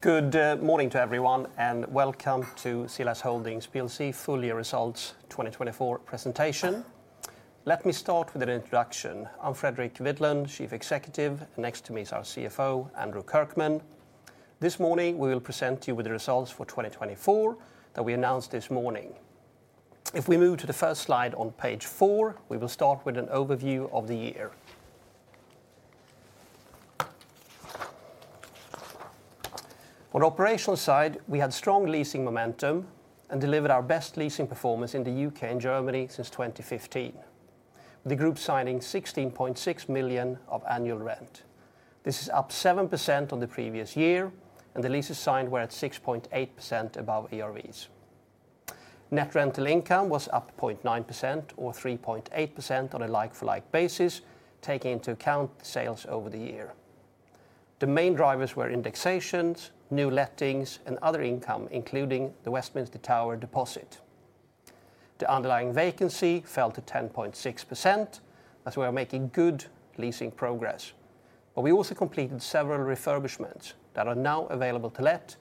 Good morning to everyone, and welcome to CLS Holdings full-year results 2024 presentation. Let me start with an introduction. I'm Fredrik Widlund, Chief Executive, and next to me is our CFO, Andrew Kirkman. This morning, we will present you with the results for 2024 that we announced this morning. If we move to the first slide on page four, we will start with an overview of the year. On the operational side, we had strong leasing momentum and delivered our best leasing performance in the U.K. and Germany since 2015, with the group signing 16.6 million of annual rent. This is up 7% on the previous year, and the leases signed were at 6.8% above ERVs. Net rental income was up 0.9%, or 3.8% on a like-for-like basis, taking into account sales over the year. The main drivers were indexations, new lettings, and other income, including the Westminster Tower deposit. The underlying vacancy fell to 10.6%, as we are making good leasing progress. We also completed several refurbishments that are now available to let,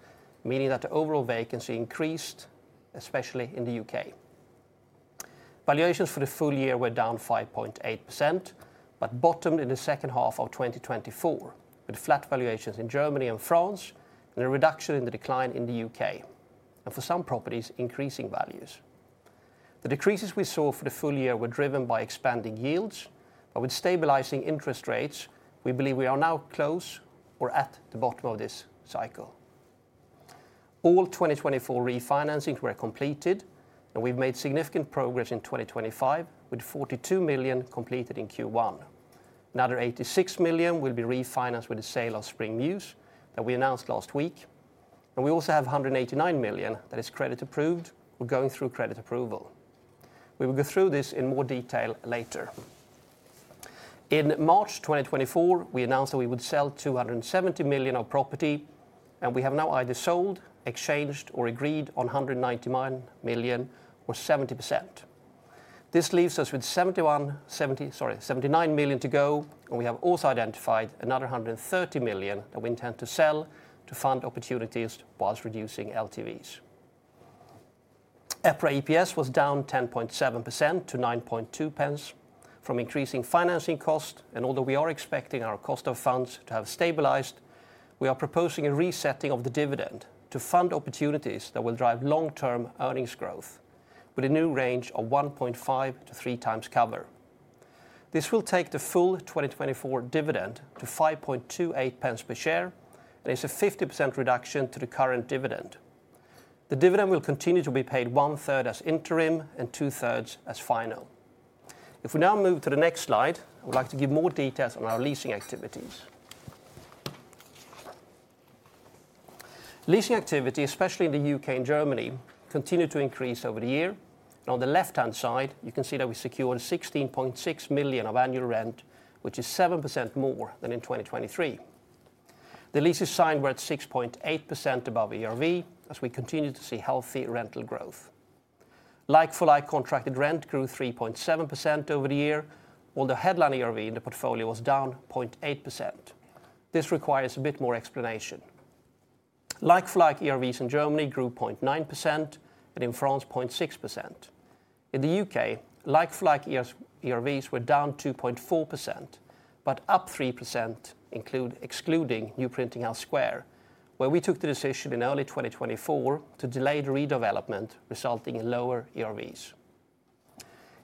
meaning that the overall vacancy increased, especially in the U.K. Valuations for the full year were down 5.8%, but bottomed in the second half of 2024, with flat valuations in Germany and France, and a reduction in the decline in the U.K., and for some properties, increasing values. The decreases we saw for the full year were driven by expanding yields, but with stabilizing interest rates, we believe we are now close or at the bottom of this cycle. All 2024 refinancings were completed, and we've made significant progress in 2025, with 42 million completed in Q1. Another 86 million will be refinanced with the sale of Spring Mews that we announced last week. We also have 189 million that is credit-approved or going through credit approval. We will go through this in more detail later. In March 2024, we announced that we would sell 270 million of property, and we have now either sold, exchanged, or agreed on 199 million, or 70%. This leaves us with 79 million to go, and we have also identified another 130 million that we intend to sell to fund opportunities whilst reducing LTVs. EPRA EPS was down 10.7% to 9.2 pence from increasing financing costs, and although we are expecting our cost of funds to have stabilized, we are proposing a resetting of the dividend to fund opportunities that will drive long-term earnings growth, with a new range of 1.5-3 times cover. This will take the full 2024 dividend to 5.28 pence per share, and it's a 50% reduction to the current dividend. The dividend will continue to be paid one-third as interim and two-thirds as final. If we now move to the next slide, I would like to give more details on our leasing activities. Leasing activity, especially in the U.K. and Germany, continued to increase over the year. On the left-hand side, you can see that we secured 16.6 million of annual rent, which is 7% more than in 2023. The leases signed were at 6.8% above ERV, as we continue to see healthy rental growth. Like-for-like contracted rent grew 3.7% over the year, although headline ERV in the portfolio was down 0.8%. This requires a bit more explanation. Like-for-like ERVs in Germany grew 0.9%, and in France, 0.6%. In the U.K., like-for-like ERVs were down 2.4%, but up 3% excluding New Printing House Square, where we took the decision in early 2024 to delay the redevelopment, resulting in lower ERVs.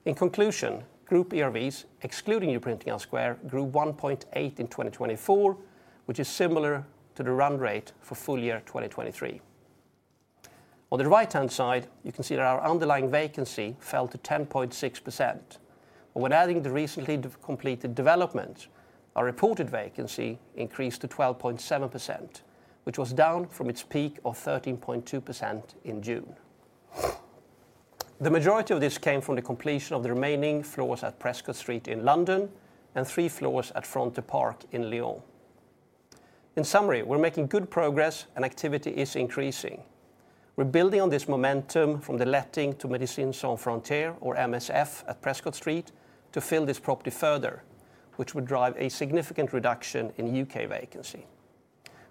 In conclusion, group ERVs, excluding New Printing House Square, grew 1.8% in 2024, which is similar to the run rate for full year 2023. On the right-hand side, you can see that our underlying vacancy fell to 10.6%. When adding the recently completed development, our reported vacancy increased to 12.7%, which was down from its peak of 13.2% in June. The majority of this came from the completion of the remaining floors at Prescott Street in London and three floors at Front de Parc in Lyon. In summary, we're making good progress, and activity is increasing. We're building on this momentum from the letting to Médecins Sans Frontières, or MSF, at Prescott Street to fill this property further, which would drive a significant reduction in U.K. vacancy.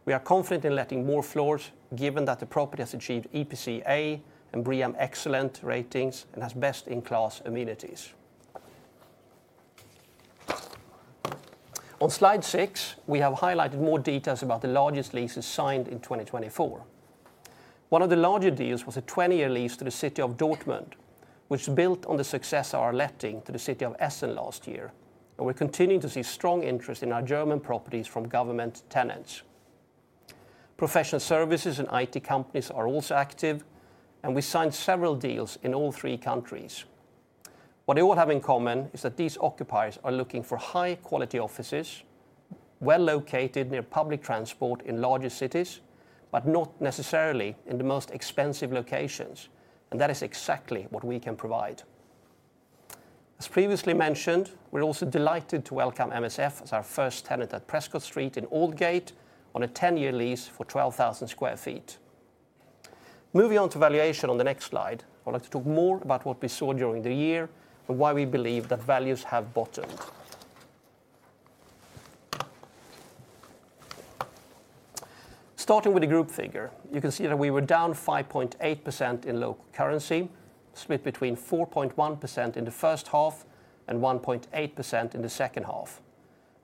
We are confident in letting more floors, given that the property has achieved EPC A and BREEAM Excellent ratings and has best-in-class amenities. On slide six, we have highlighted more details about the largest leases signed in 2024. One of the larger deals was a 20-year lease to the City of Dortmund, which built on the success of our letting to the City of Essen last year, and we are continuing to see strong interest in our German properties from government tenants. Professional services and IT companies are also active, and we signed several deals in all three countries. What they all have in common is that these occupiers are looking for high-quality offices, well located near public transport in larger cities, but not necessarily in the most expensive locations, and that is exactly what we can provide. As previously mentioned, we're also delighted to welcome MSF as our first tenant at Prescott Street in Aldgate on a 10-year lease for 12,000 sq ft. Moving on to valuation on the next slide, I'd like to talk more about what we saw during the year and why we believe that values have bottomed. Starting with the group figure, you can see that we were down 5.8% in local currency, split between 4.1% in the first half and 1.8% in the second half.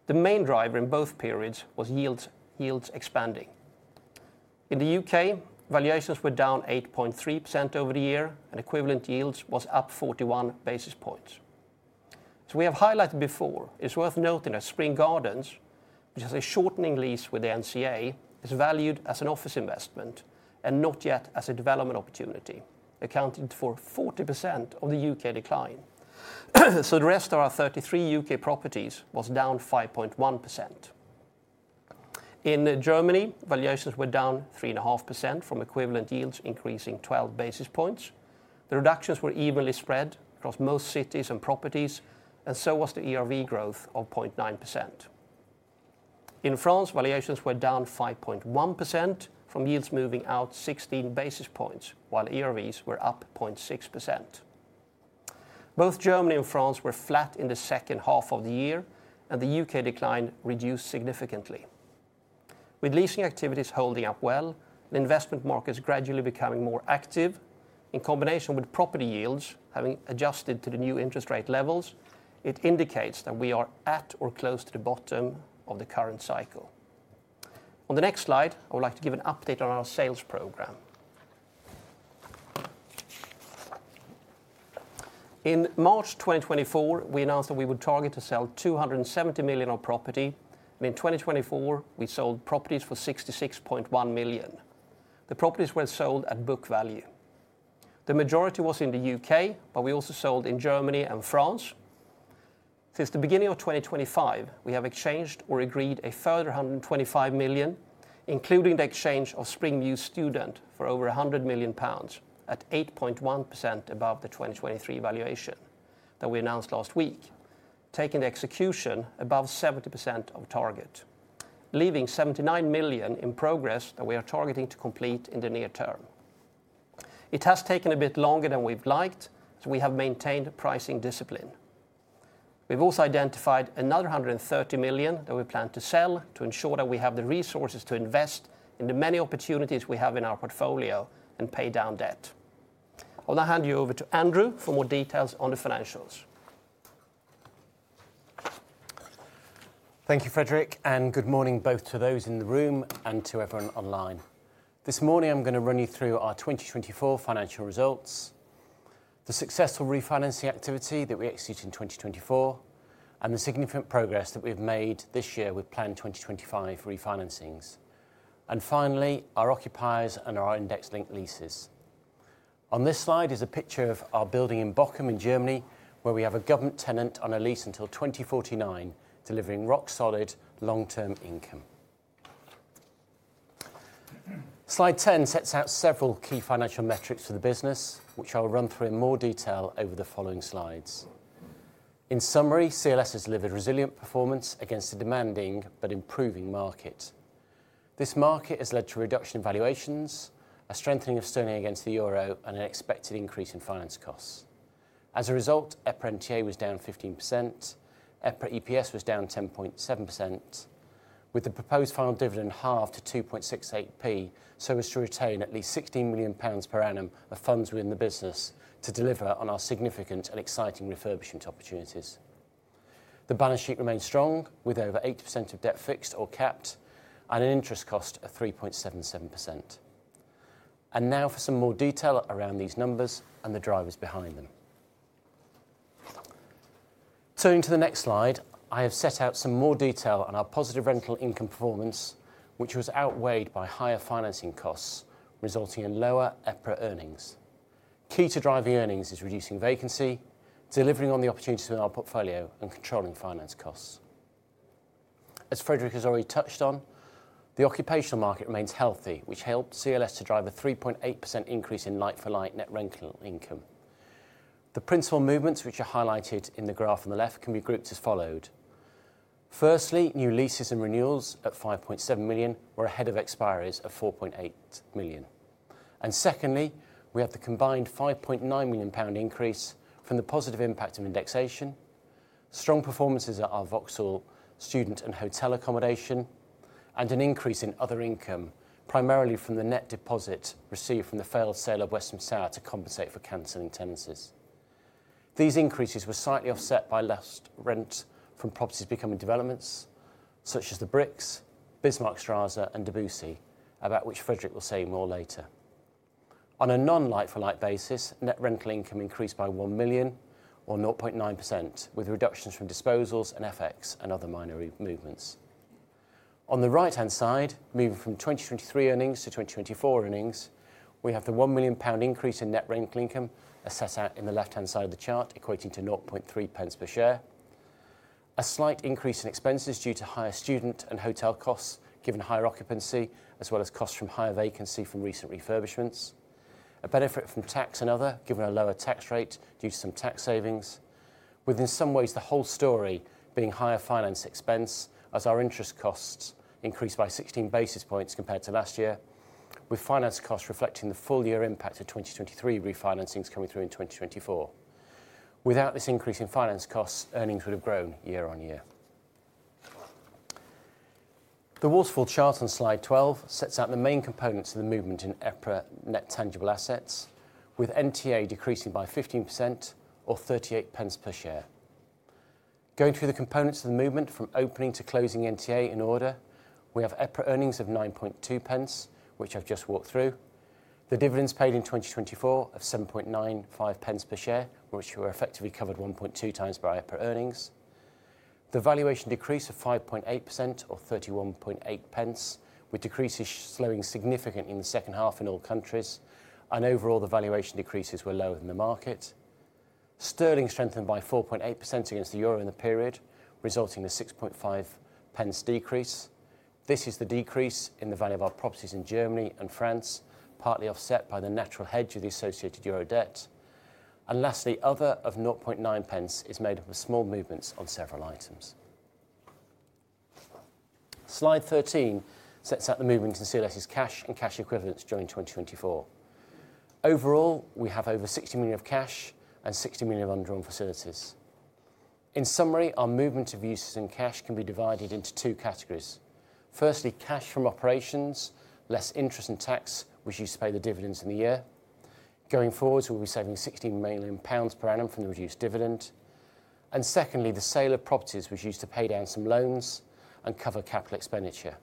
The main driver in both periods was yields expanding. In the U.K., valuations were down 8.3% over the year, and equivalent yields was up 41 basis points. As we have highlighted before, it's worth noting that Spring Gardens, which has a shortening lease with the NCA, is valued as an office investment and not yet as a development opportunity, accounting for 40% of the U.K. decline. The rest of our 33 U.K. properties was down 5.1%. In Germany, valuations were down 3.5% from equivalent yields increasing 12 basis points. The reductions were evenly spread across most cities and properties, and so was the ERV growth of 0.9%. In France, valuations were down 5.1% from yields moving out 16 basis points, while ERVs were up 0.6%. Both Germany and France were flat in the second half of the year, and the U.K. decline reduced significantly. With leasing activities holding up well and investment markets gradually becoming more active, in combination with property yields having adjusted to the new interest rate levels, it indicates that we are at or close to the bottom of the current cycle. On the next slide, I would like to give an update on our sales program. In March 2024, we announced that we would target to sell 270 million of property, and in 2024, we sold properties for 66.1 million. The properties were sold at book value. The majority was in the U.K., but we also sold in Germany and France. Since the beginning of 2025, we have exchanged or agreed a further 125 million, including the exchange of Spring Mews Student for over 100 million pounds at 8.1% above the 2023 valuation that we announced last week, taking the execution above 70% of target, leaving 79 million in progress that we are targeting to complete in the near term. It has taken a bit longer than we've liked, so we have maintained pricing discipline. We've also identified another 130 million that we plan to sell to ensure that we have the resources to invest in the many opportunities we have in our portfolio and pay down debt. I'll now hand you over to Andrew for more details on the financials. Thank you, Fredrik, and good morning both to those in the room and to everyone online. This morning, I'm going to run you through our 2024 financial results, the successful refinancing activity that we executed in 2024, and the significant progress that we've made this year with planned 2025 refinancings. Finally, our occupiers and our index-linked leases. On this slide is a picture of our building in Bochum in Germany, where we have a government tenant on a lease until 2049, delivering rock-solid long-term income. Slide 10 sets out several key financial metrics for the business, which I'll run through in more detail over the following slides. In summary, CLS has delivered resilient performance against a demanding but improving market. This market has led to a reduction in valuations, a strengthening of sterling against the euro, and an expected increase in finance costs. As a result, EPRA NTA was down 15%. EPRA EPS was down 10.7%, with the proposed final dividend halved to 2.68p, so as to retain at least 16 million pounds per annum of funds within the business to deliver on our significant and exciting refurbishment opportunities. The balance sheet remained strong, with over 80% of debt fixed or capped and an interest cost of 3.77%. Now for some more detail around these numbers and the drivers behind them. Turning to the next slide, I have set out some more detail on our positive rental income performance, which was outweighed by higher financing costs, resulting in lower EPRA earnings. Key to driving earnings is reducing vacancy, delivering on the opportunities in our portfolio, and controlling finance costs. As Fredrik has already touched on, the occupational market remains healthy, which helped CLS to drive a 3.8% increase in like-for-like net rental income. The principal movements, which are highlighted in the graph on the left, can be grouped as followed. Firstly, new leases and renewals at 5.7 million were ahead of expiries of 4.8 million. Secondly, we have the combined 5.9 million pound increase from the positive impact of indexation, strong performances at our Vauxhall Student and Hotel accommodation, and an increase in other income, primarily from the net deposit received from the failed sale of Westminster House to compensate for cancelling tenancies. These increases were slightly offset by less rent from properties becoming developments, such as The Bricks, Bismarckstraße, and Debussy, about which Fredrik will say more later. On a non-like-for-like basis, net rental income increased by 1 million, or 0.9%, with reductions from disposals and FX and other minor movements. On the right-hand side, moving from 2023 earnings to 2024 earnings, we have the 1 million pound increase in net rental income assessed out in the left-hand side of the chart, equating to 0.3 pence per share. A slight increase in expenses due to higher student and hotel costs, given higher occupancy, as well as costs from higher vacancy from recent refurbishments. A benefit from tax and other, given a lower tax rate due to some tax savings. With, in some ways, the whole story being higher finance expense, as our interest costs increased by 16 basis points compared to last year, with finance costs reflecting the full year impact of 2023 refinancings coming through in 2024. Without this increase in finance costs, earnings would have grown year on year. The waterfall chart on slide 12 sets out the main components of the movement in EPRA net tangible assets, with NTA decreasing by 15%, or 0.38 per share. Going through the components of the movement from opening to closing NTA in order, we have EPRA earnings of 0.092, which I've just walked through, the dividends paid in 2024 of 0.0795 per share, which were effectively covered 1.2 times by EPRA earnings, the valuation decrease of 5.8%, or 0.318, with decreases slowing significantly in the second half in all countries, and overall the valuation decreases were lower than the market, sterling strengthened by 4.8% against the euro in the period, resulting in a 0.065 decrease. This is the decrease in the value of our properties in Germany and France, partly offset by the natural hedge of the associated euro debt. Lastly, other of 0.9 pence is made up of small movements on several items. Slide 13 sets out the movement in CLS's cash and cash equivalents during 2024. Overall, we have over 60 million of cash and 60 million of underwritten facilities. In summary, our movement of uses in cash can be divided into two categories. Firstly, cash from operations, less interest and tax, which used to pay the dividends in the year. Going forward, we'll be saving 16 million pounds per annum from the reduced dividend. Secondly, the sale of properties, which used to pay down some loans and cover capital expenditure.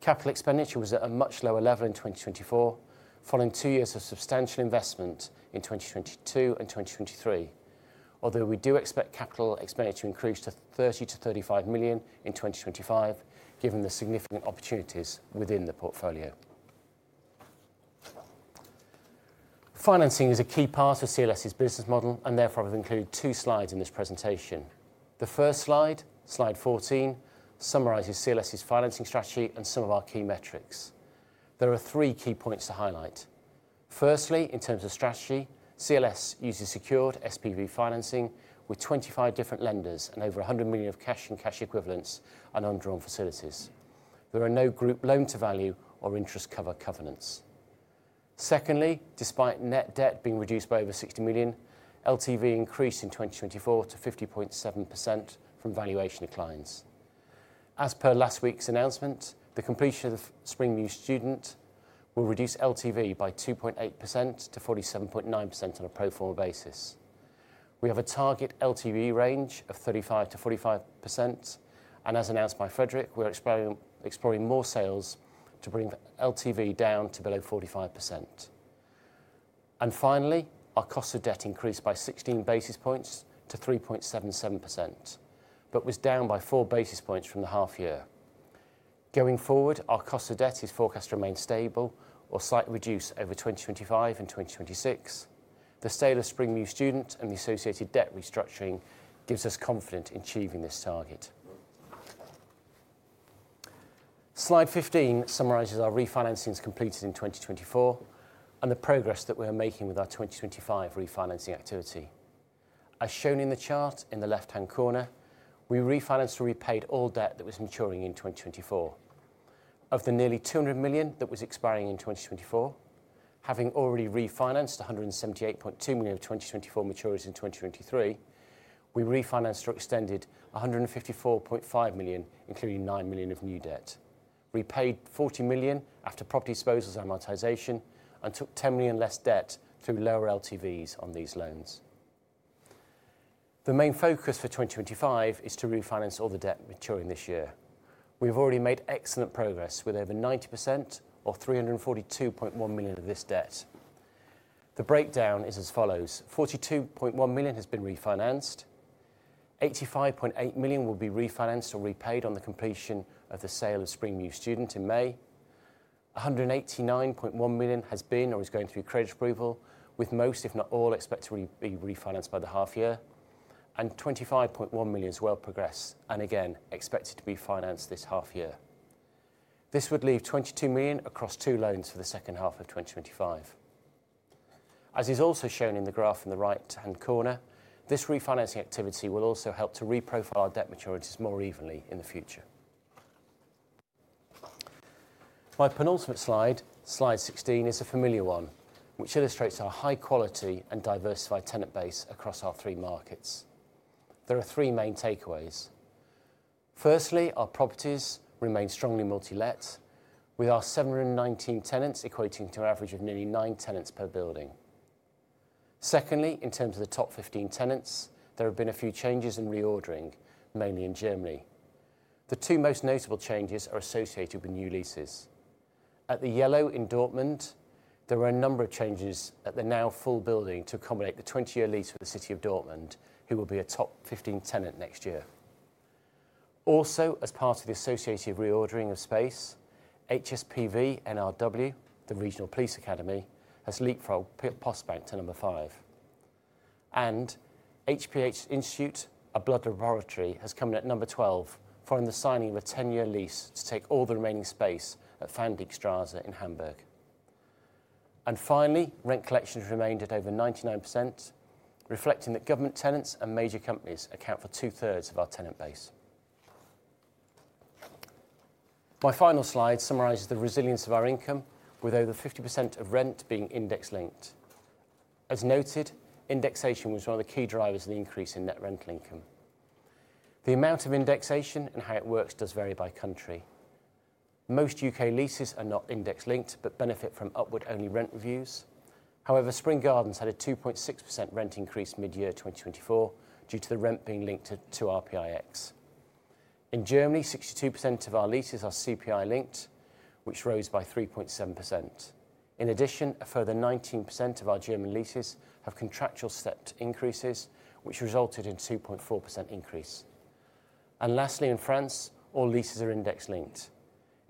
Capital expenditure was at a much lower level in 2024, following two years of substantial investment in 2022 and 2023, although we do expect capital expenditure to increase to 30-35 million in 2025, given the significant opportunities within the portfolio. Financing is a key part of CLS's business model, and therefore I've included two slides in this presentation. The first slide, slide 14, summarizes CLS's financing strategy and some of our key metrics. There are three key points to highlight. Firstly, in terms of strategy, CLS uses secured SPV financing with 25 different lenders and over 100 million of cash and cash equivalents and underwritten facilities. There are no group loan-to-value or interest cover covenants. Secondly, despite net debt being reduced by over 60 million, LTV increased in 2024 to 50.7% from valuation declines. As per last week's announcement, the completion of the Spring Mews Student will reduce LTV by 2.8% to 47.9% on a pro forma basis. We have a target LTV range of 35-45%, and as announced by Fredrik, we're exploring more sales to bring LTV down to below 45%. Finally, our cost of debt increased by 16 basis points to 3.77%, but was down by four basis points from the half year. Going forward, our cost of debt is forecast to remain stable or slightly reduce over 2025 and 2026. The sale of Spring Mews Student and the associated debt restructuring gives us confidence in achieving this target. Slide 15 summarizes our refinancings completed in 2024 and the progress that we are making with our 2025 refinancing activity. As shown in the chart in the left-hand corner, we refinanced or repaid all debt that was maturing in 2024. Of the nearly 200 million that was expiring in 2024, having already refinanced 178.2 million of 2024 maturities in 2023, we refinanced or extended 154.5 million, including 9 million of new debt, repaid 40 million after property disposals and amortization, and took 10 million less debt through lower LTVs on these loans. The main focus for 2025 is to refinance all the debt maturing this year. We've already made excellent progress with over 90%, or 342.1 million, of this debt. The breakdown is as follows: 42.1 million has been refinanced, 85.8 million will be refinanced or repaid on the completion of the sale of Spring Mews Student in May, 189.1 million has been or is going through credit approval, with most, if not all, expected to be refinanced by the half year, and 25.1 million as well progressed and again expected to be financed this half year. This would leave 22 million across two loans for the second half of 2025. As is also shown in the graph in the right-hand corner, this refinancing activity will also help to reprofile our debt maturities more evenly in the future. My penultimate slide, slide 16, is a familiar one, which illustrates our high-quality and diversified tenant base across our three markets. There are three main takeaways. Firstly, our properties remain strongly multi-let, with our 719 tenants equating to an average of nearly nine tenants per building. Secondly, in terms of the top 15 tenants, there have been a few changes in reordering, mainly in Germany. The two most notable changes are associated with new leases. At The Yellow in Dortmund, there are a number of changes at the now full building to accommodate the 20-year lease with the City of Dortmund, who will be a top 15 tenant next year. Also, as part of the associative reordering of space, HSPV NRW, the regional police academy, has leapfrogged Postbank to number five. HPH Institute, a blood laboratory, has come in at number 12, following the signing of a 10-year lease to take all the remaining space at Fangdieckstraße in Hamburg. Finally, rent collection has remained at over 99%, reflecting that government tenants and major companies account for two-thirds of our tenant base. My final slide summarizes the resilience of our income, with over 50% of rent being index-linked. As noted, indexation was one of the key drivers of the increase in net rental income. The amount of indexation and how it works does vary by country. Most U.K. leases are not index-linked but benefit from upward-only rent reviews. However, Spring Gardens had a 2.6% rent increase mid-year 2024 due to the rent being linked to RPIX. In Germany, 62% of our leases are CPI-linked, which rose by 3.7%. In addition, a further 19% of our German leases have contractual step increases, which resulted in a 2.4% increase. Lastly, in France, all leases are index-linked.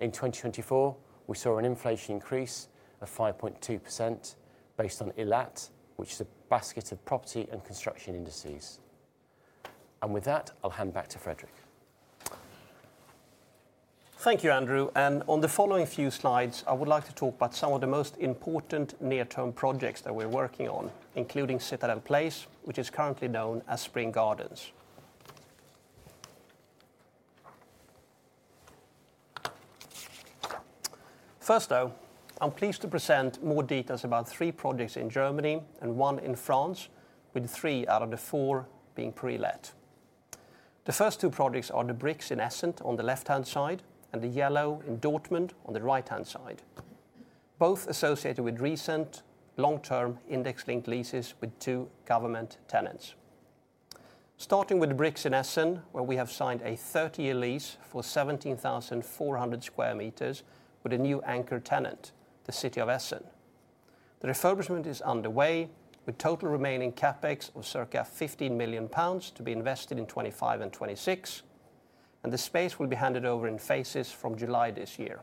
In 2024, we saw an inflation increase of 5.2% based on ILAT, which is a basket of property and construction indices. With that, I'll hand back to Fredrik. Thank you, Andrew. On the following few slides, I would like to talk about some of the most important near-term projects that we're working on, including Citadel Place, which is currently known as Spring Gardens. First, though, I'm pleased to present more details about three projects in Germany and one in France, with three out of the four being pre-let. The first two projects are The Bricks in Essen, on the left-hand side, and The Yellow in Dortmund, on the right-hand side. Both associated with recent long-term index-linked leases with two government tenants. Starting with The Bricks in Essen, where we have signed a 30-year lease for 17,400 sq m with a new anchor tenant, the City of Essen. The refurbishment is underway, with total remaining CapEx of circa 15 million pounds to be invested in 2025 and 2026, and the space will be handed over in phases from July this year.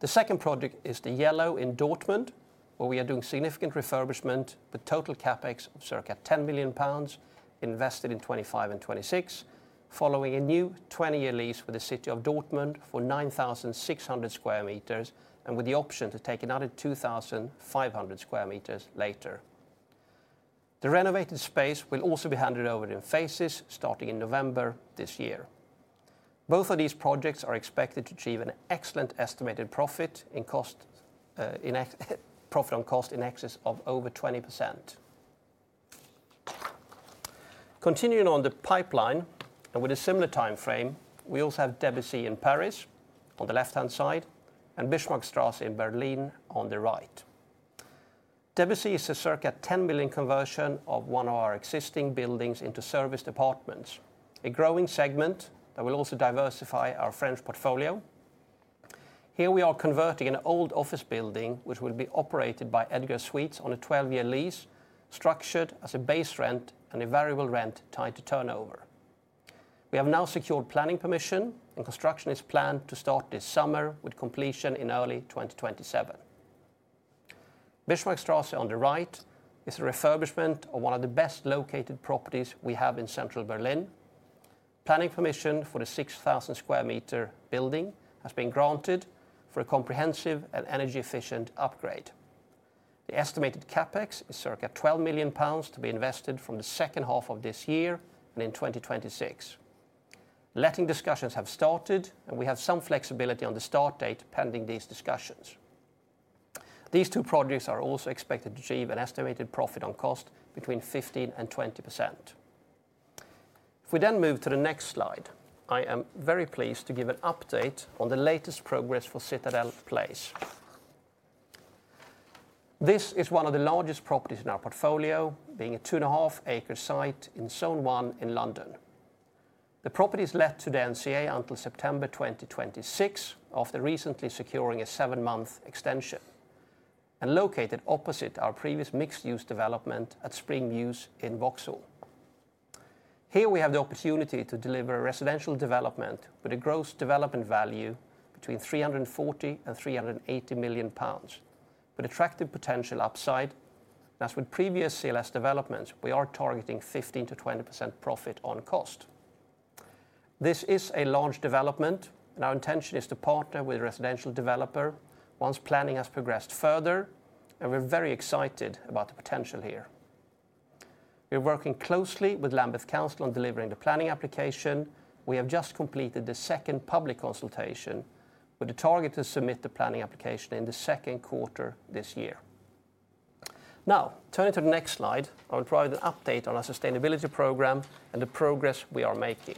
The second project is The Yellow in Dortmund, where we are doing significant refurbishment, with total CapEx of 10 million pounds invested in 2025 and 2026, following a new 20-year lease with the City of Dortmund for 9,600 sq m and with the option to take another 2,500 sq m later. The renovated space will also be handed over in phases, starting in November this year. Both of these projects are expected to achieve an excellent estimated profit on cost in excess of 20%. Continuing on the pipeline and with a similar timeframe, we also have Debussy in Paris, on the left-hand side, and Bismarckstraße, in Berlin, on the right. Debussy is a 10 million conversion of one of our existing buildings into serviced apartments, a growing segment that will also diversify our French portfolio. Here we are converting an old office building, which will be operated by Regus on a 12-year lease, structured as a base rent and a variable rent tied to turnover. We have now secured planning permission, and construction is planned to start this summer, with completion in early 2027. Bismarckstraße, on the right, is a refurbishment of one of the best-located properties we have in central Berlin. Planning permission for the 6,000 sq m building has been granted for a comprehensive and energy-efficient upgrade. The estimated CapEx is circa 12 million pounds to be invested from the second half of this year and in 2026. Letting discussions have started, and we have some flexibility on the start date pending these discussions. These two projects are also expected to achieve an estimated profit on cost between 15-20%. If we then move to the next slide, I am very pleased to give an update on the latest progress for Citadel Place. This is one of the largest properties in our portfolio, being a two-and-a-half-acre site in Zone One in London. The property is let to the NCA until September 2026, after recently securing a seven-month extension, and located opposite our previous mixed-use development at Spring Mews in Vauxhall. Here we have the opportunity to deliver a residential development with a gross development value between 340 and 380 million pounds, with attractive potential upside. As with previous CLS developments, we are targeting 15%-20% profit on cost. This is a large development, and our intention is to partner with a residential developer once planning has progressed further, and we're very excited about the potential here. We're working closely with Lambeth Council on delivering the planning application. We have just completed the second public consultation, with the target to submit the planning application in the Q2 this year. Now, turning to the next slide, I'll provide an update on our sustainability program and the progress we are making.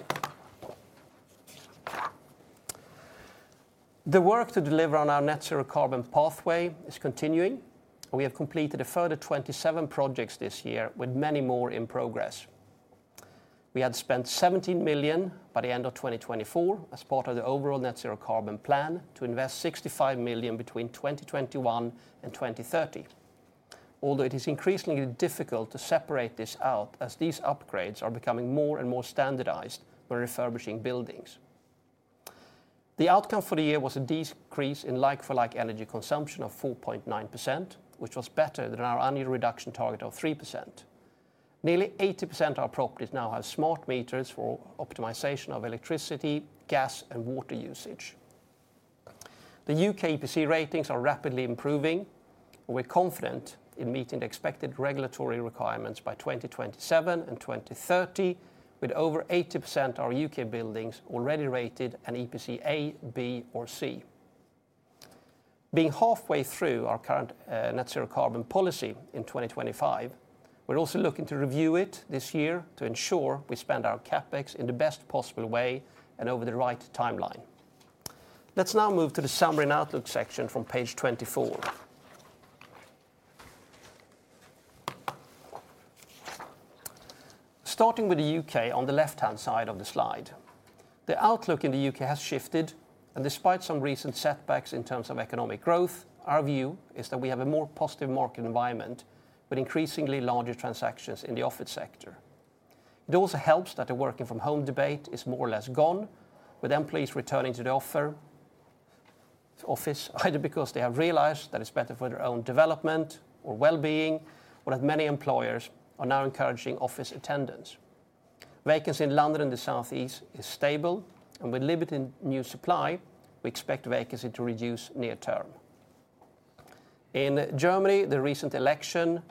The work to deliver on our net zero carbon pathway is continuing. We have completed a further 27 projects this year, with many more in progress. We had spent 17 million by the end of 2024 as part of the overall net zero carbon plan to invest 65 million between 2021 and 2030, although it is increasingly difficult to separate this out as these upgrades are becoming more and more standardized when refurbishing buildings. The outcome for the year was a decrease in like-for-like energy consumption of 4.9%, which was better than our annual reduction target of 3%. Nearly 80% of our properties now have smart meters for optimization of electricity, gas, and water usage. The U.K. EPC ratings are rapidly improving, and we're confident in meeting the expected regulatory requirements by 2027 and 2030, with over 80% of our U.K. buildings already rated an EPC A, B, or C. Being halfway through our current net zero carbon policy in 2025, we're also looking to review it this year to ensure we spend our CapEx in the best possible way and over the right timeline. Let's now move to the summary and outlook section from page 24. Starting with the U.K. on the left-hand side of the slide, the outlook in the U.K. has shifted, and despite some recent setbacks in terms of economic growth, our view is that we have a more positive market environment with increasingly larger transactions in the office sector. It also helps that the working-from-home debate is more or less gone, with employees returning to the office either because they have realized that it's better for their own development or well-being, or that many employers are now encouraging office attendance. Vacancy in London and the Southeast is stable, and with limited new supply, we expect vacancy to reduce near term. In Germany, the recent election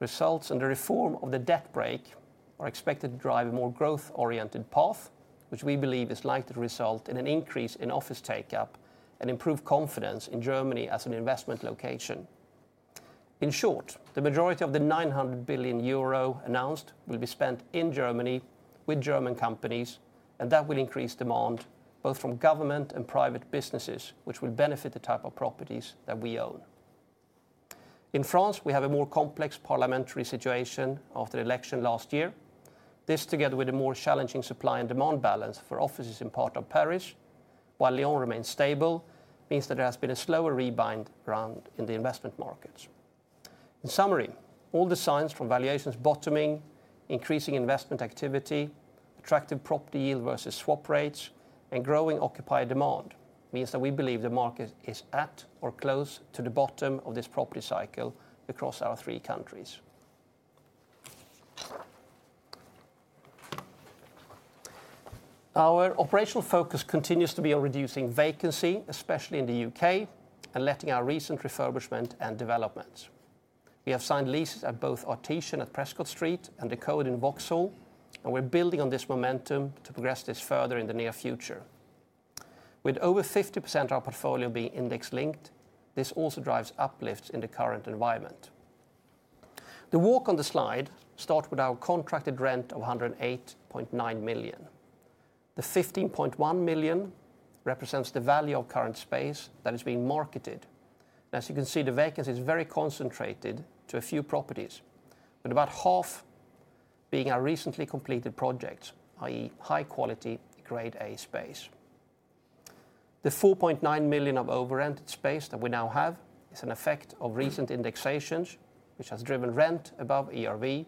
results and the reform of the debt brake are expected to drive a more growth-oriented path, which we believe is likely to result in an increase in office take-up and improve confidence in Germany as an investment location. In short, the majority of the 900 billion euro announced will be spent in Germany with German companies, and that will increase demand both from government and private businesses, which will benefit the type of properties that we own. In France, we have a more complex parliamentary situation after the election last year. This, together with a more challenging supply and demand balance for offices in part of Paris, while Lyon remains stable, means that there has been a slower rebind round in the investment markets. In summary, all the signs from valuations bottoming, increasing investment activity, attractive property yield versus swap rates, and growing occupier demand mean that we believe the market is at or close to the bottom of this property cycle across our three countries. Our operational focus continues to be on reducing vacancy, especially in the U.K., and letting our recent refurbishment and developments. We have signed leases at both Artesian at Prescott Street and The Coade in Vauxhall, and we're building on this momentum to progress this further in the near future. With over 50% of our portfolio being index-linked, this also drives uplifts in the current environment. The walk on the slide starts with our contracted rent of 108.9 million. The 15.1 million represents the value of current space that is being marketed. As you can see, the vacancy is very concentrated to a few properties, with about half being our recently completed projects, i.e., high-quality Grade A space. The 4.9 million of over-rented space that we now have is an effect of recent indexations, which has driven rent above ERV,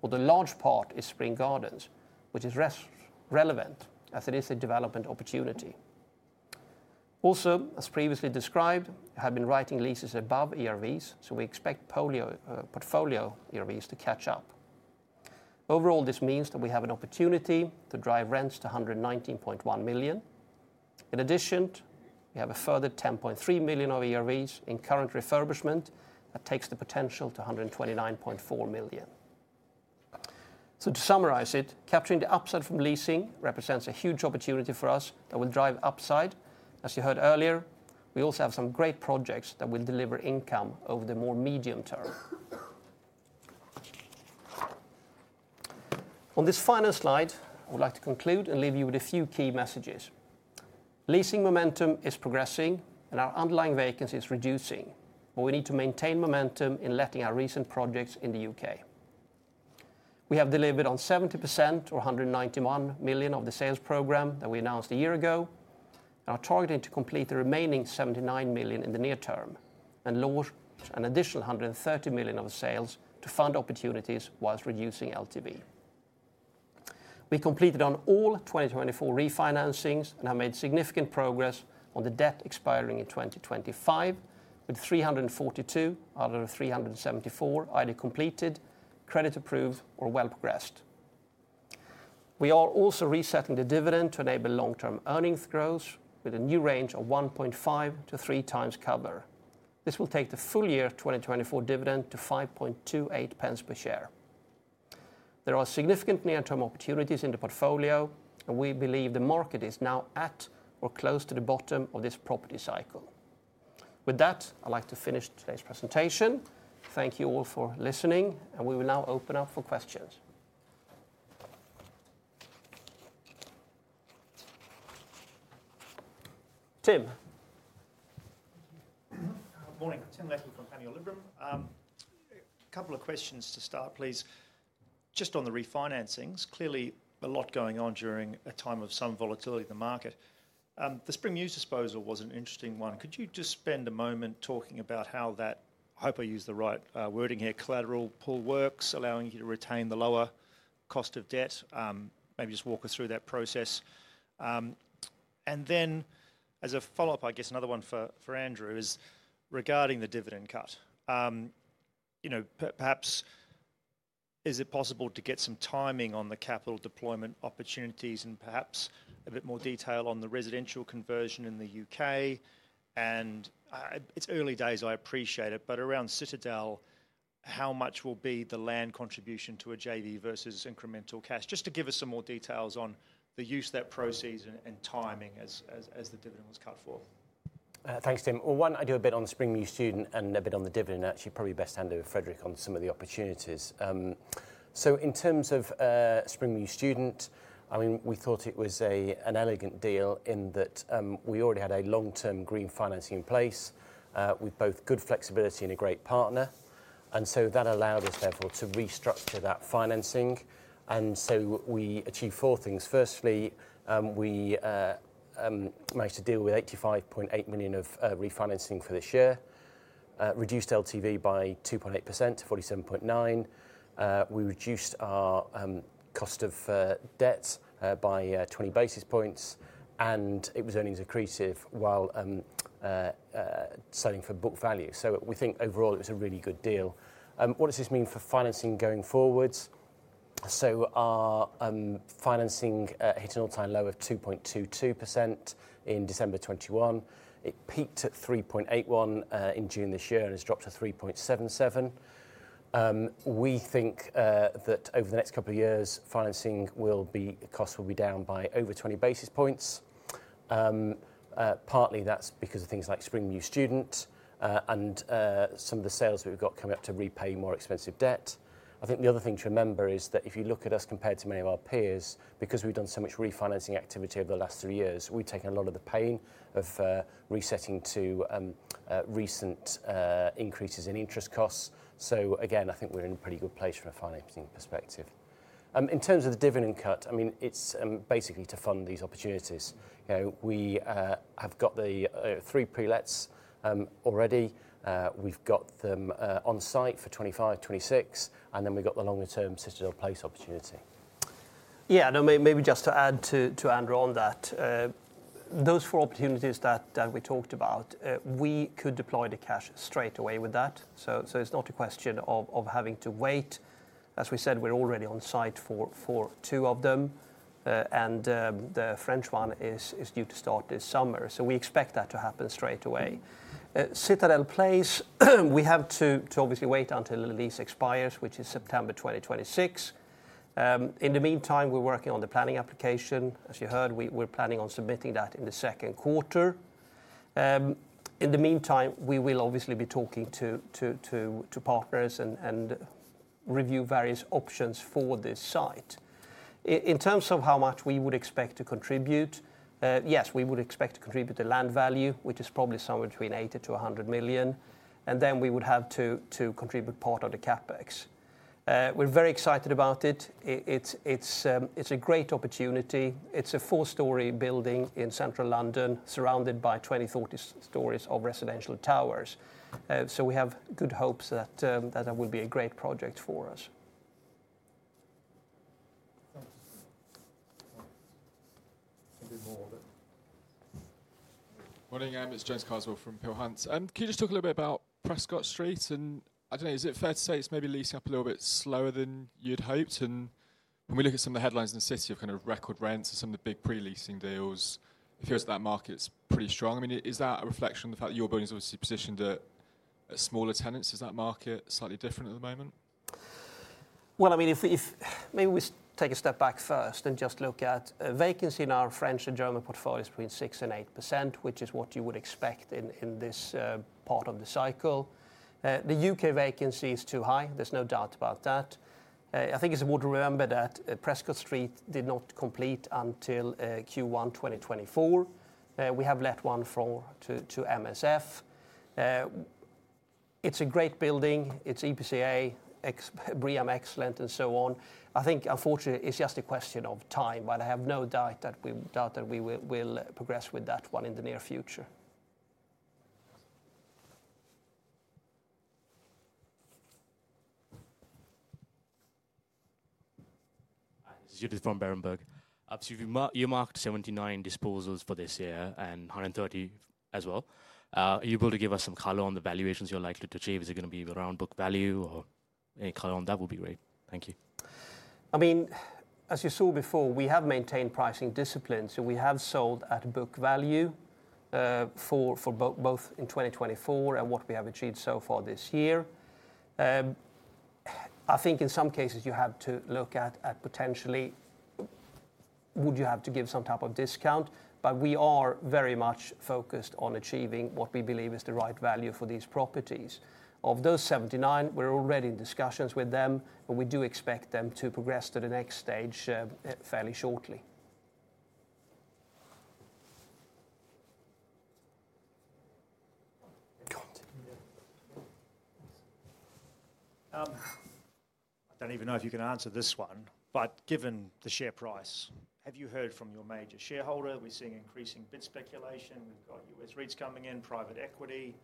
while the large part is Spring Gardens, which is relevant as it is a development opportunity. Also, as previously described, we have been writing leases above ERVs, so we expect portfolio ERVs to catch up. Overall, this means that we have an opportunity to drive rents to 119.1 million. In addition, we have a further 10.3 million of ERVs in current refurbishment that takes the potential to 129.4 million. To summarise it, capturing the upside from leasing represents a huge opportunity for us that will drive upside. As you heard earlier, we also have some great projects that will deliver income over the more medium term. On this final slide, I would like to conclude and leave you with a few key messages. Leasing momentum is progressing, and our underlying vacancy is reducing, but we need to maintain momentum in letting our recent projects in the U.K. We have delivered on 70% or 191 million of the sales program that we announced a year ago, and are targeting to complete the remaining 79 million in the near term, and launch an additional 130 million of sales to fund opportunities whilst reducing LTV. We completed on all 2024 refinancings and have made significant progress on the debt expiring in 2025, with 342 out of the 374 either completed, credit-approved, or well-progressed. We are also resetting the dividend to enable long-term earnings growth with a new range of 1.5-3 times cover. This will take the full year 2024 dividend to 5.28 per share. There are significant near-term opportunities in the portfolio, and we believe the market is now at or close to the bottom of this property cycle. With that, I'd like to finish today's presentation. Thank you all for listening, and we will now open up for questions. Tim. Morning. Tim Leckie from Panmure Liberum. A couple of questions to start, please. Just on the refinancings, clearly a lot going on during a time of some volatility in the market. The Spring Mews disposal was an interesting one. Could you just spend a moment talking about how that—I hope I use the right wording here—collateral pool works, allowing you to retain the lower cost of debt? Maybe just walk us through that process. As a follow-up, I guess another one for Andrew is regarding the dividend cut. Perhaps, is it possible to get some timing on the capital deployment opportunities and perhaps a bit more detail on the residential conversion in the U.K.? It's early days, I appreciate it, but around Citadel, how much will be the land contribution to a JV versus incremental cash? Just to give us some more details on the use that proceeds and timing as the dividend was cut for. Thanks, Tim. One, I do a bit on Spring Mews Student and a bit on the dividend. Actually, probably best handled with Fredrik on some of the opportunities. In terms of Spring Mews Student, I mean, we thought it was an elegant deal in that we already had a long-term green financing in place with both good flexibility and a great partner. That allowed us, therefore, to restructure that financing. We achieved four things. Firstly, we managed to deal with 85.8 million of refinancing for this year, reduced LTV by 2.8% to 47.9 million. We reduced our cost of debt by 20 basis points, and it was earnings accretive while selling for book value. We think overall it was a really good deal. What does this mean for financing going forwards? Our financing hit an all-time low of 2.22% in December 2021. It peaked at 3.81% in June this year and has dropped to 3.77%. We think that over the next couple of years, financing will be—costs will be down by over 20 basis points. Partly, that's because of things like Spring Mews Student and some of the sales that we've got coming up to repay more expensive debt. I think the other thing to remember is that if you look at us compared to many of our peers, because we've done so much refinancing activity over the last three years, we've taken a lot of the pain of resetting to recent increases in interest costs. I think we're in a pretty good place from a financing perspective. In terms of the dividend cut, I mean, it's basically to fund these opportunities. We have got the three prelets already. We've got them on site for 2025, 2026, and then we've got the longer-term Citadel Place opportunity. Yeah, maybe just to add to Andrew on that, those four opportunities that we talked about, we could deploy the cash straight away with that. It is not a question of having to wait. As we said, we are already on site for two of them, and the French one is due to start this summer. We expect that to happen straight away. Citadel Place, we have to obviously wait until the lease expires, which is September 2026. In the meantime, we are working on the planning application. As you heard, we are planning on submitting that in the Q2. In the meantime, we will obviously be talking to partners and review various options for this site. In terms of how much we would expect to contribute, yes, we would expect to contribute the land value, which is probably somewhere between 80 million-100 million, and then we would have to contribute part of the CapEx. We're very excited about it. It's a great opportunity. It's a four-story building in central London, surrounded by 20, 40 stories of residential towers. We have good hopes that that will be a great project for us. Morning, I'm James Carswell from Peel Hunt. Can you just talk a little bit about Prescott Street? I don't know, is it fair to say it's maybe leasing up a little bit slower than you'd hoped? When we look at some of the headlines in the city of kind of record rents and some of the big pre-leasing deals, it feels that that market's pretty strong. I mean, is that a reflection of the fact that your building's obviously positioned at smaller tenants? Is that market slightly different at the moment? I mean, if maybe we take a step back first and just look at vacancy in our French and German portfolios between 6%-8%, which is what you would expect in this part of the cycle. The U.K. vacancy is too high. There's no doubt about that. I think it's important to remember that Prescott Street did not complete until Q1 2024. We have let one floor to MSF. It's a great building. It's EPC A, BREEAM excellent, and so on. I think, unfortunately, it's just a question of time, but I have no doubt that we will progress with that one in the near future. This is Judith from Berenberg. Absolutely. You marked 79 disposals for this year and 130 as well. Are you able to give us some color on the valuations you're likely to achieve? Is it going to be around book value or any color on that would be great? Thank you. I mean, as you saw before, we have maintained pricing discipline, so we have sold at book value for both in 2024 and what we have achieved so far this year. I think in some cases you have to look at potentially would you have to give some type of discount, but we are very much focused on achieving what we believe is the right value for these properties. Of those 79, we're already in discussions with them, but we do expect them to progress to the next stage fairly shortly. I don't even know if you can answer this one, but given the share price, have you heard from your major shareholder? We're seeing increasing bid speculation. We've got US REITs coming in, private equity.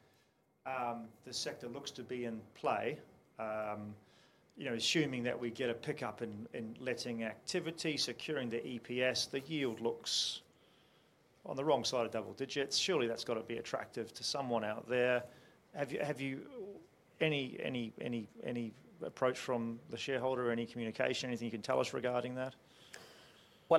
The sector looks to be in play. Assuming that we get a pickup in letting activity, securing the EPS, the yield looks on the wrong side of double digits. Surely that's got to be attractive to someone out there. Have you any approach from the shareholder or any communication, anything you can tell us regarding that?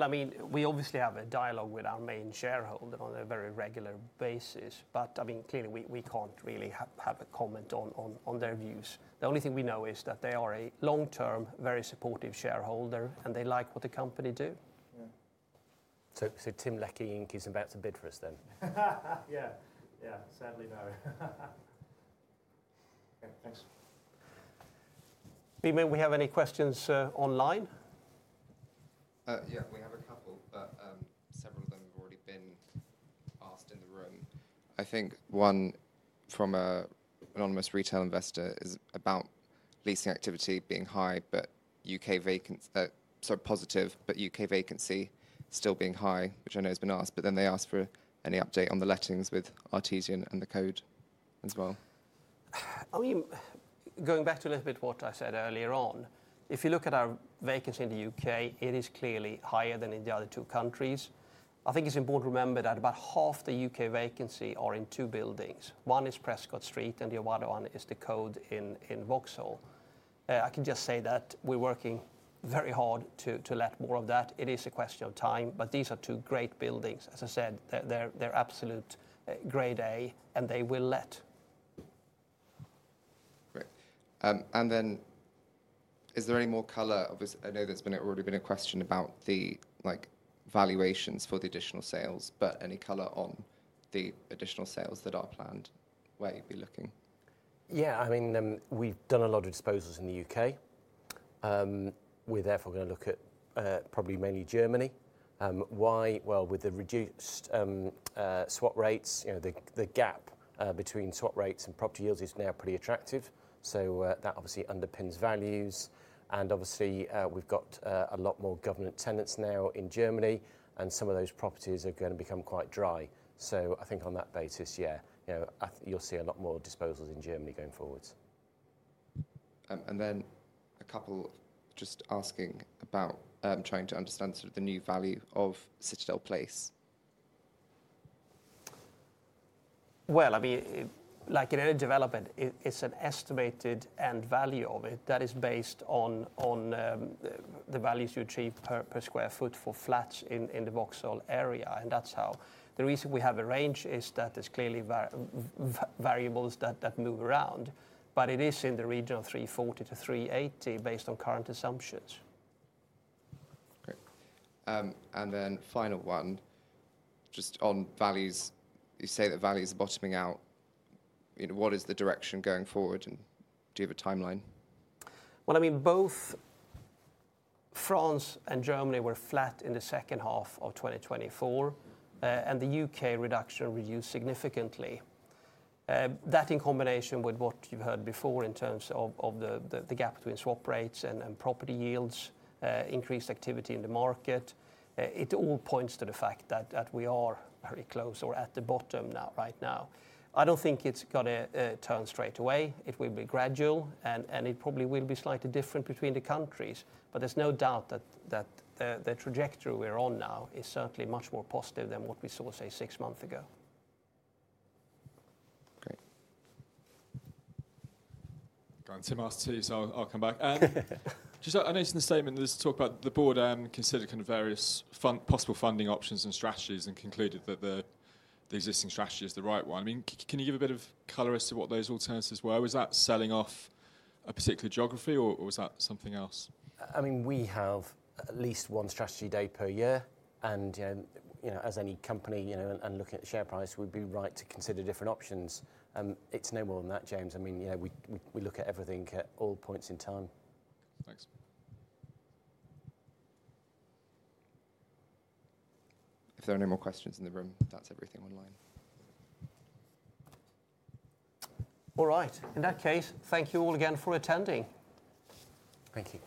I mean, we obviously have a dialogue with our main shareholder on a very regular basis, but I mean, clearly we can't really have a comment on their views. The only thing we know is that they are a long-term, very supportive shareholder, and they like what the company do. Tim Leckie is about to bid for us then. Yeah, yeah, sadly no. Thanks. Beaman, we have any questions online? Yeah, we have a couple, but several of them have already been asked in the room. I think one from an anonymous retail investor is about leasing activity being high, but U.K. vacancy—sorry, positive—but U.K. vacancy still being high, which I know has been asked, but then they asked for any update on the lettings with Artesian and The Coade as well. I mean, going back to a little bit what I said earlier on, if you look at our vacancy in the U.K., it is clearly higher than in the other two countries. I think it's important to remember that about half the U.K. vacancy are in two buildings. One is Prescott Street, and the other one is The Coade in Vauxhall. I can just say that we're working very hard to let more of that. It is a question of time, but these are two great buildings. As I said, they're absolute Grade A, and they will let. Great. Is there any more color? I know there's already been a question about the valuations for the additional sales, but any color on the additional sales that are planned? Where are you looking? Yeah, I mean, we've done a lot of disposals in the U.K. We're therefore going to look at probably mainly Germany. Why? With the reduced swap rates, the gap between swap rates and property yields is now pretty attractive. That obviously underpins values. Obviously, we've got a lot more government tenants now in Germany, and some of those properties are going to become quite dry. I think on that basis, you'll see a lot more disposals in Germany going forwards. A couple just asking about trying to understand sort of the new value of Citadel Place. I mean, like in any development, it's an estimated end value of it that is based on the values you achieve per sq ft for flats in the Vauxhall area. That's how the reason we have a range is that there's clearly variables that move around, but it is in the region of 340-380 based on current assumptions. Great. Final one, just on values, you say that values are bottoming out. What is the direction going forward, and do you have a timeline? I mean, both France and Germany were flat in the second half of 2024, and the U.K. reduction reduced significantly. That in combination with what you've heard before in terms of the gap between swap rates and property yields, increased activity in the market, it all points to the fact that we are very close or at the bottom right now. I don't think it's going to turn straight away. It will be gradual, and it probably will be slightly different between the countries, but there's no doubt that the trajectory we're on now is certainly much more positive than what we saw, say, six months ago. Great. Go on, Tim, asked too, so I'll come back. Just I noticed in the statement there's talk about the board considered kind of various possible funding options and strategies and concluded that the existing strategy is the right one. I mean, can you give a bit of color as to what those alternatives were? Was that selling off a particular geography, or was that something else? I mean, we have at least one strategy day per year, and as any company, and looking at the share price, we'd be right to consider different options. It's no more than that, James. I mean, we look at everything at all points in time. Thanks. If there are any more questions in the room, that's everything online. All right. In that case, thank you all again for attending. Thank you.